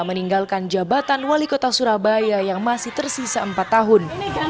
meninggalkan jabatan wali kota surabaya yang masih tersisa empat tahun